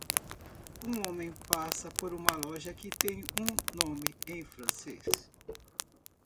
Um homem passa por uma loja que tem um nome em francês.